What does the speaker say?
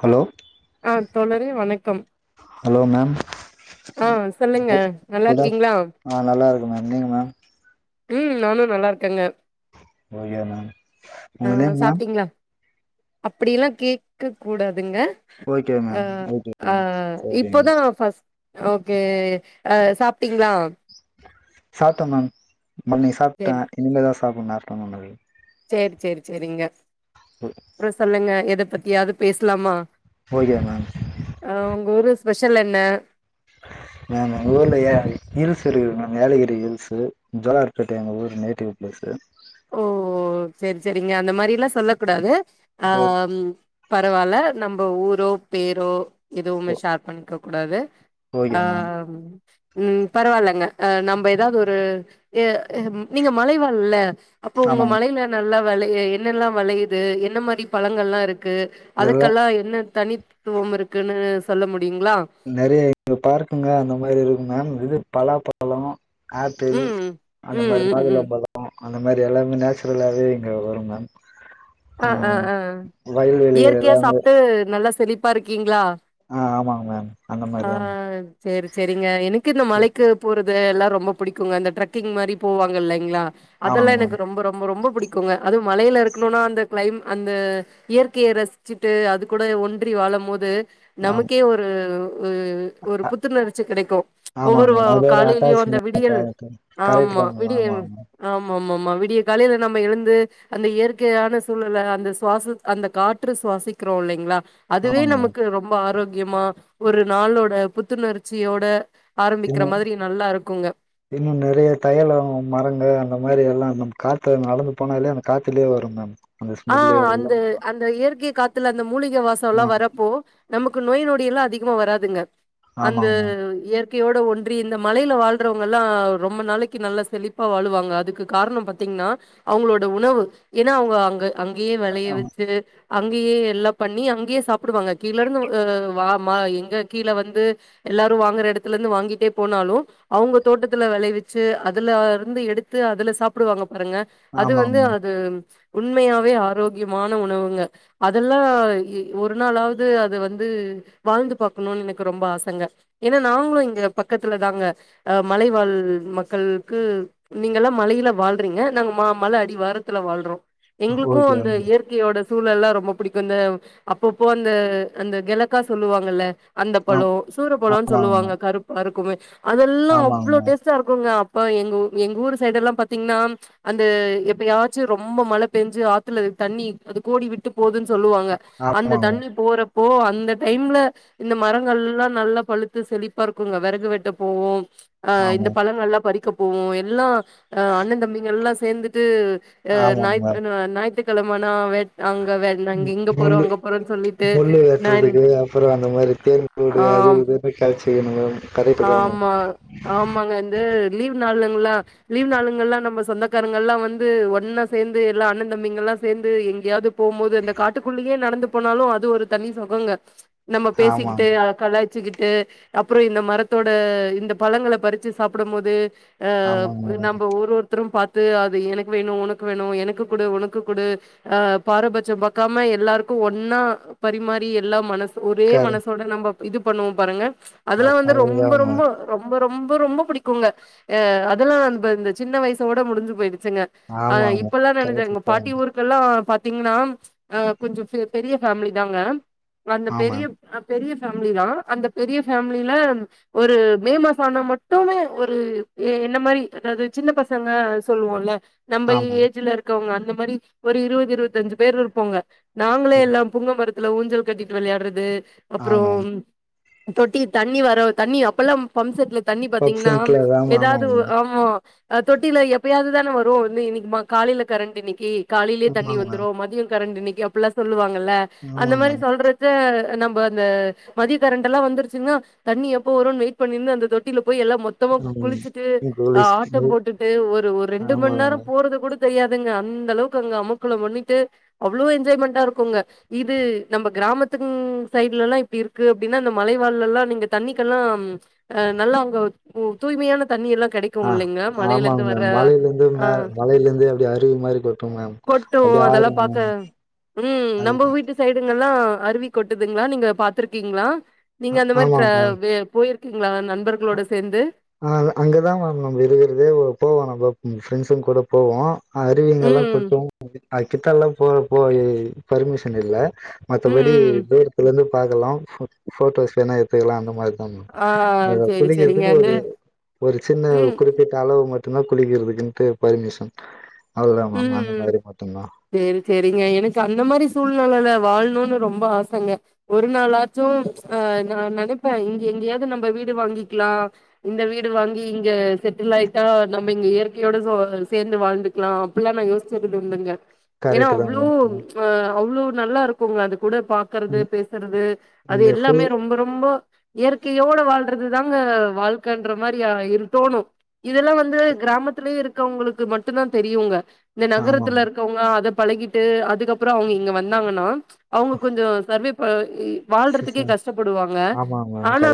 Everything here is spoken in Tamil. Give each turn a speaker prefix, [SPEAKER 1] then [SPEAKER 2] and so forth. [SPEAKER 1] ஹலோ
[SPEAKER 2] ஆ தோழாரே வணக்கம்
[SPEAKER 1] ஹலோ மேம்
[SPEAKER 2] ஆ சொல்லுங்க
[SPEAKER 1] குட்
[SPEAKER 2] நல்லா
[SPEAKER 1] குட் ஆஃப்
[SPEAKER 2] இருக்கீங்களா?
[SPEAKER 1] ஆ நல்லாருக்க மேம் நீங்க மேம்
[SPEAKER 2] உம் நானு நல்லார்க்கெங்க
[SPEAKER 1] ஓகே மேம்
[SPEAKER 2] அ
[SPEAKER 1] உங்க நேம் மேம்
[SPEAKER 2] சாப்டீங்ளா அப்டியெல்லா கேக்க கூடாதுங்க
[SPEAKER 1] ஓகே
[SPEAKER 2] ஆ
[SPEAKER 1] மேம் ஓகே
[SPEAKER 2] அ
[SPEAKER 1] ஓகே
[SPEAKER 2] இப்பொதா பஸ் ஓகே அ சாப்டீங்ளா
[SPEAKER 1] சாப்ட மேம் மானிங் சாப்ட்ட
[SPEAKER 2] சேரி
[SPEAKER 1] இனிமேதா சாப்புட்ணு ஆஃப்டர்னுன் அது
[SPEAKER 2] சேர் சேர் சேரிங்க அப்றோ சொல்லுங்க எதப் பத்தியாது பேஸ்லாமா
[SPEAKER 1] ஓகே மேம்
[SPEAKER 2] அ உங்க ஊரு ஸ்பெஷல் என்ன
[SPEAKER 1] மேம் எங்க ஊர்ல ஹீல்ஸ் இருக்குது மேம் ஏலகிரி ஹீல்ஸ்ஸு ஜோலார் பேட்ட எங்க ஊரு நெக்டீவ் பிளேஸு
[SPEAKER 2] ஓ செரி செரிங்க அந்த மாரில்லா சொல்லக்கூடாது அ
[SPEAKER 1] ஓ
[SPEAKER 2] பரவால்ல நம்ம ஊரோ பேரோ
[SPEAKER 1] ஓ
[SPEAKER 2] எதுவ்மே ஷேர் பண்ணிக்க கூடாது அ
[SPEAKER 1] ஓகே மேம்
[SPEAKER 2] ம் பரவால்லங்க அ நம்ம ஏதாது ஒரு எ நீங்க மலை வாழ்ல்ல அப்போ உங்க
[SPEAKER 1] ஆமாங்க
[SPEAKER 2] மலையில நல்லா வெளய என்னல்லா வெளயுது என்ன மாரி பழங்கள்லா இருக்கு
[SPEAKER 1] இதெல்லா
[SPEAKER 2] அதுக்கல்லா என்ன தனித்துவம் இருக்குன்னு சொல்ல முடியுங்ளா
[SPEAKER 1] நெறைய இங்க பார்க்குங்க அந்த மாரி இருக்கு மேம் இது பலாப்பழோ ஆப்பிள்
[SPEAKER 2] ம்
[SPEAKER 1] அந்த
[SPEAKER 2] ம்
[SPEAKER 1] மாரி
[SPEAKER 2] ம் ம் ம்
[SPEAKER 1] மாதுளம் பழோ அ அந்த மாரி எல்லாமே நேச்சுரலாவே இங்க வரு மேம்
[SPEAKER 2] அ
[SPEAKER 1] ஆ
[SPEAKER 2] அ அ
[SPEAKER 1] வயல்வெளிகள்
[SPEAKER 2] இயற்கையா
[SPEAKER 1] எல்லாமே
[SPEAKER 2] சாப்ட்டு நல்லா செழிப்பா இருக்கீங்ளா
[SPEAKER 1] அ ஆமாங் மேம் அந்த மாரி தா மே
[SPEAKER 2] சேரி சேரிங்க எனக்கு இந்த மலைக்கு போறது எல்லா ரொம்ப புடிக்குங்க அந்த டிரெக்கிங் மாரி போவாங்க இல்லைங்ளா
[SPEAKER 1] ஆமாங்க
[SPEAKER 2] அதெல்லா
[SPEAKER 1] மேம்
[SPEAKER 2] எனக்கு ரொம்ப ரொம்ப ரொம்ப புடிக் குங்க அது மலைல இருக்கணுனா அந்த கிளைம் அந்த இயற்கைய ரசிச்சுட்டு அது கூட ஒன்றி வாழ போது
[SPEAKER 1] ஆமா
[SPEAKER 2] நமக்கே ஒ ரு ஒரு ஒரு புத்துணர்ச்சி கெடைக்கு
[SPEAKER 1] ஆமாங்க
[SPEAKER 2] ஒவ்வொரு வா
[SPEAKER 1] மேம் அதோட
[SPEAKER 2] காலேலயு
[SPEAKER 1] அட்டாச்
[SPEAKER 2] அந்த
[SPEAKER 1] மேம்.
[SPEAKER 2] விடியல்
[SPEAKER 1] கரெக்ட்
[SPEAKER 2] ஆமா
[SPEAKER 1] தா மேம்
[SPEAKER 2] விடியல்
[SPEAKER 1] ஆமாங்க மேம்
[SPEAKER 2] ஆமா ஆமா ஆமா விடியக் காலேல நம்ம எழுந்து அந்த இயற்கையான ஸ் சூழலல அந்த சுவாச அந்த காற்று சுவாசிக்றோ இல்லைங்ளா அதுவே
[SPEAKER 1] ஆமாங்க மேம்
[SPEAKER 2] நமக்கு ரொம்ப ஆரோக்கியமா ஒரு நாளோட புத்துணர்ச்சியோட ஆரம்பிக்ற மாதிரி நல்லா இருக்குங்க
[SPEAKER 1] இன்னோ நெறைய தையலோ மரங்க அந்த மாரி எல்லா நம்ம காத்துல நடந்து போனாலே அந்த காத்துலயே வரு மேம் அந்த
[SPEAKER 2] ஆ
[SPEAKER 1] ஸ்மெல்லு
[SPEAKER 2] அந்த
[SPEAKER 1] எல்லாம்
[SPEAKER 2] அந்த இயற்கை காத்துல அந்த மூலிக வாசோல்லா
[SPEAKER 1] ஆ
[SPEAKER 2] வரப்போ நமக்கு நோய் நொடியெல்லா அதிகமா வராதுங்க அந்த
[SPEAKER 1] ஆமாங்க மேம்
[SPEAKER 2] இயற் கேயோட ஒன்றி இந்த மலேல வாழ்றவுங்கல்லா ரொம்ப நாளைக்கி நல்லா செழிப்பா வாழுவாங்க அதுக்கு கார்ணோ பாத்தீங்ன்னா அவுங்ளோட உணவு ஏனா அவுங்க அங்க அங்கயே வெளய
[SPEAKER 1] ஆமா
[SPEAKER 2] வெச்சு அங்கயே எல்லா பண்ணி அங்கயே சாப்டுவாங்க கீழருந்து வா ம எங்க கீழ வந்து எல்லாரு வாங்குற எடத்துலருந்து வாங்கிட்டே போனாலு அவுங்க தோட்டத்துல வெளைவிச்சு அதுல இருந்து எடுத்து அதுல சாப்டுவாங்க பாருங்க அது
[SPEAKER 1] ஆமாங்க
[SPEAKER 2] வந்து
[SPEAKER 1] மேம்
[SPEAKER 2] அது உண்மையாவே ஆரோக்கியமான உணவுங்க அதல்லா இ ஒரு நாளாவது அது வந்து வாழ்ந்து பாக்கணுனு எனக்கு ரொம்ப ஆசங்க ஏனா நாங்களு இங்க பக்கத்துல தாங்க அ மலைவாழ் மக்களுக்கு நீங்கல்லா மலையில வாழ்றீங்க நாங்க மா மல அடிவாரத்துல வாழ்றோ எங்களுக்கோ
[SPEAKER 1] ஓகே
[SPEAKER 2] அந்த
[SPEAKER 1] மேம்
[SPEAKER 2] இயற் கேயோட சூழல்லா ரொம்ப புடிக்கோ இந்த அப்பப்போ அந்த அந்த கெலக்கா சொல்லுவாங்கல்ல அந்த
[SPEAKER 1] ஆ
[SPEAKER 2] பழோ சூரப்பழோன்னு
[SPEAKER 1] ஆமாங்க
[SPEAKER 2] சொல்லுவாங்க
[SPEAKER 1] மேம்
[SPEAKER 2] கருப்பாருக்குமே அதெல்லா
[SPEAKER 1] ஆமாங்க
[SPEAKER 2] அவ்ளோ
[SPEAKER 1] மேம்
[SPEAKER 2] டேஸ்ட் டா இருக்குங்க அப்ப எங்க ஊ எங்க ஊர் சைடு எல்லா பாத்தீங்ன்னா அந்த எப்பயாச்சு ரொம்ப மழ பெஞ்சு ஆத்துல தண்ணி அது கோடி விட்டு போதுன்னு சொல்லுவாங்க அந்த
[SPEAKER 1] ஆமாங்க மேம்
[SPEAKER 2] தண்ணி போற போ அந்த டைம்ல இந்த மரங்கள்ல்லா நல்லா பழுத்து செழிப்பா இருக்குங்க வெறகு வெட்டப் போவோ அ
[SPEAKER 1] ஆமா
[SPEAKER 2] இந்தப் பழங்கள்ல்லா பறிக்க போவோ எல்லா அ அண்ண தம்பிங்க எல்லா சேந்துட்டு அ
[SPEAKER 1] ஆமாங்க மேம்
[SPEAKER 2] ஞாயித் ஞாயித்துக்கெழமனா வேட் அங்க வே நாங்க
[SPEAKER 1] மு
[SPEAKER 2] இங்க போறோ
[SPEAKER 1] முள்ளு
[SPEAKER 2] அங்க போறோன்னு சொல்லிட்டு
[SPEAKER 1] முள்ளு
[SPEAKER 2] நான்
[SPEAKER 1] வெட்டறதுக்கு அப்றோ அந்த மாரி தேன் கூடு அது
[SPEAKER 2] ஆம்
[SPEAKER 1] இது போயி களிச்சு கிடனு கதை தொடராவுனு
[SPEAKER 2] இது லீவ் நாளுங்கல்லா லீவ் நாளுங்கல்லா நம்ம சொந்தக்காரங்க எல்லா வந்து ஒன்னா சேந் து எல்லா அண்ண தம்பிங்கெல்லா சேந்து எங்கேயாது போம்போது அந்த காட்டுக்குள்ளேயே நடந்து போனாலு அது ஒரு தனி சொகங்க நம்ம பேசிக்கிட்டே
[SPEAKER 1] ஆமாங்க
[SPEAKER 2] அள கலாய்ச்சுக்கிட்டு அப்பறோ இந்த மரத்தோட இந்தப் பழங்களைப் பறிச்சு சாப்ட போது ஆ
[SPEAKER 1] ஆமாங்க மேம்
[SPEAKER 2] நம்ப ஒரு ஒருத்தரு பாத்து அது எனக்கு வேணு உனக்கு வேணு எனக்கு குடு உனக்கு குடு ஆ பாரபட்சம் பாக்காம எல்லாருக்கு ஒன்னா பரிமாறி எல்லாம் மன ஸ் ஒரே
[SPEAKER 1] கர
[SPEAKER 2] மனசோட நம்பப் இது பண்ணுவோம் பாருங்க அதெல்லாம் வந்து
[SPEAKER 1] அதுதா
[SPEAKER 2] ரொம்ப ரொம்ப
[SPEAKER 1] மேம்
[SPEAKER 2] ரொம்ப ரொம்ப ரொம்ப பிடிக்குங்க ஆ அதெல்லாம் அந்த அந்த சின்ன வயசோட முடிஞ்சு போயிடுச்சுங்க
[SPEAKER 1] ஆமா ஆமா
[SPEAKER 2] நினைங்க பாட்டி ஊருக்குெ [unintelligible] பாட்டி ஊருக்கெல்லா பாத்தீங்கன்னா ம் ஆ கொஞ்சம் ஃபெ பெரிய ஃபேமிலி தாங்க அந்தப்
[SPEAKER 1] ஆ
[SPEAKER 2] பெரிய
[SPEAKER 1] மேம்
[SPEAKER 2] ஆ பெரிய ஃபேமிலி தான் அந்தப் பெரிய ஃபேமிலில ஒரு மே மாசம் ஆனா மட்டுமே ஒரு ஏ என்ன மாரி அதாவது சின்ன பசங்க சொல்லுவோல்ல நம்ப
[SPEAKER 1] ஆ மேம்
[SPEAKER 2] ஏஜ்ல இருக்கவங்க அந்த மாரி ஒரு இருவது இருவத்தஞ்சு பேரு இருப்போங்க நாங்களே எல்லாம் புங்க மரத்துல ஊஞ்சல் கட்டீட்டு விளையாடுறது
[SPEAKER 1] ஆ
[SPEAKER 2] அப்புறோம்
[SPEAKER 1] மேம்
[SPEAKER 2] ம் தொட்டி தண்ணி வரவ் தண்ணி அப்பல்லாம் பம்ப்செட்ல தண்ணிப்
[SPEAKER 1] பப்
[SPEAKER 2] பாத்தீங்கன்னா
[SPEAKER 1] சென்ட்ல தா மேம்
[SPEAKER 2] ஏதாவது
[SPEAKER 1] ஆமாங்க
[SPEAKER 2] ஓ ஆமா ஆ தொட்டில எப்பையாவது தானே வரும் நீ இன்னிக்கி மா காலையில கரண்ட் இன்னிக்கி காலையிலே
[SPEAKER 1] மேம்
[SPEAKER 2] தண்ணி
[SPEAKER 1] ஆமாங்க
[SPEAKER 2] வந்துரும் மதியம் கரண்ட்டு நிக்கும் அப்புல்லா சொல்லுவாங்கள்ல
[SPEAKER 1] மேம்
[SPEAKER 2] அந்த
[SPEAKER 1] ஆமாங்க
[SPEAKER 2] மாரி
[SPEAKER 1] மேம்
[SPEAKER 2] சொல்றத் த்த நம்ப அந்த மதிய கரண்ட்டெல்லா வந்துருச்சுன்னா தண்ணி எப்போ வருனு வெயிட் பண்ணிருந்து அந்த தொட்டில போய் எல்லா மொத் த்தமா குளிச்சுட்டு
[SPEAKER 1] ஆமாங்க
[SPEAKER 2] ஆ
[SPEAKER 1] கோலிஸ்
[SPEAKER 2] ஆட்டம் போட்டுட்டு ஒரு ஒரு ரெண்டு மண்
[SPEAKER 1] ஆமாங்க
[SPEAKER 2] நேரம்
[SPEAKER 1] மேம்
[SPEAKER 2] போறதுக் கூடத் தெய்யாதுங்க அந்த அளவுக்கு அங்க அமக்களம் பண்ணிட்டு அவ்வுளோ என்ஜாய்மெண்ட்டா இருக்குங்க இது நம்ப கிராமத்துக்குங் சைட்லெல்லா இப்டி இருக்கு அப்டின்னா அந்த மலைவாழ்லெல்லா நீங்க தண்ணிக்கெல்லாம் ஆ நல்லா அங்க ம் தூய்மையான தண்ணி எல்லா கெடைக்
[SPEAKER 1] ஆ ஆமாங் மேம் மலையிலந்து
[SPEAKER 2] ஆ
[SPEAKER 1] மே மலையிலிந்து அப்டி அருவி மாரிக் கொட்
[SPEAKER 2] கொட்டும் அதெல்லாம் பாக்க ம்
[SPEAKER 1] அது
[SPEAKER 2] நம்போ வீட்டு ஸ் சைடுங்கள்லா அருவி கொட்டுதுங்ளா நீங்க பாத்துருக்கீங்ளா நீங்க
[SPEAKER 1] ஆ-
[SPEAKER 2] அந்த மாரி ட்ர
[SPEAKER 1] ஆமாங்க மேம்
[SPEAKER 2] வே போயிருக்கீங்ளா நண்பர்களோட சேந்து
[SPEAKER 1] ஆ ள அங்கதான் மேம் நம்ப இருக்கிறுதே [unintelligible] போவோம் நம்போ ம் ஃப்ரெண்ட்ஸுங் கூட போவோ அருவீங்கல்லா
[SPEAKER 2] ம்
[SPEAKER 1] கொட்டும் [unintelligible] அது கிட்டல்லாம் போ போய் பர்மிஷன் இல்ல
[SPEAKER 2] ம்
[SPEAKER 1] மத்தப்படி
[SPEAKER 2] ம்
[SPEAKER 1] தூர்துலந்து பாக்கலாம் ஃபோட் ஃபோட்டோஸ் எதுன்னா எத் த்துக்குல்லா அந்த மாரி தான்மா
[SPEAKER 2] ஆ
[SPEAKER 1] [unintelligible]
[SPEAKER 2] சேரி சேரிங்க
[SPEAKER 1] குளிக்கிறதுக்கு
[SPEAKER 2] அந்த
[SPEAKER 1] ஒரு ஒரு சின்ன
[SPEAKER 2] ம்
[SPEAKER 1] குறிப்பிட்ட அளவு மட்டும்தான் குளிக்கிறதுக்குன்ட்டு பர்மிஷன் அவுள் தான் மேம் அந்த
[SPEAKER 2] ம்
[SPEAKER 1] மாதிரி மட்டும்தான்
[SPEAKER 2] சேரி சேரிங்க எனக்கு அந்த மாரி சூழ்நிலையில வாழ்னுன்னு ரொம்ப ஆசங்க ஒரு நாளாச்சும் ஆ நான் நெனைப்பே இங்க எங்கயாவது நம்ப வீடு வாங்கிக்கிலா இந்த வீடு வாங்கி இங்க செட்டில் ஆயிட்டா நம்ப இங்க இயற்கையோட சோ சேந்து வாழ்ந்துக்குலாம் ப்புட்ல்லா நாங்க யோசிச்சதுதுண்டுங்க ஏன்னா
[SPEAKER 1] கரெக்ட் தா
[SPEAKER 2] அவ்ளோ
[SPEAKER 1] மேம்
[SPEAKER 2] ஆ அவ்ளோ நல்லா இருக்கும்ங்க அது கூட பாக் க்கறது
[SPEAKER 1] ம்.
[SPEAKER 2] பேசுறது அது
[SPEAKER 1] இந்த ஃபுல்
[SPEAKER 2] எல்லாமே ரொம்ப ரொம்போ இயற்கையோட வாழ்றது தாங்க வாழ்க்கன்ற மாரி யாயிரு தோணும் இதெல்லாம் வந்து கிராமத்துலயே இருக்கவங்களுக்கு மட்டும் தான் தெரியுங்க இந்த
[SPEAKER 1] ஆமா
[SPEAKER 2] நகரத்துல
[SPEAKER 1] மேம்
[SPEAKER 2] இருக்கவங்க அதப் பழகிட்டு அதுக்கப்புறோ அவங்க இங்க வந்தாங்கன்னா அவங்க கொஞ்சோ சர்வேப் ப இ வாழ்றதுக்கே கஷ்டப்படுவாங்க
[SPEAKER 1] ஆமா மேம்
[SPEAKER 2] ஆனா
[SPEAKER 1] கரெக்ட்